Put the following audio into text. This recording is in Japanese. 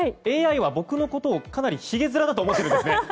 ＡＩは僕のことをひげ面だと思ってるんですね。